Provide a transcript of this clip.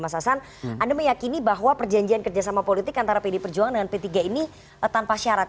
mas hasan anda meyakini bahwa perjanjian kerjasama politik antara pdi perjuangan dengan p tiga ini tanpa syarat